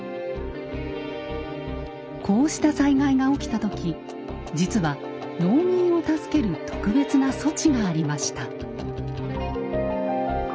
こうした災害が起きた時実は農民を助ける特別な措置がありました。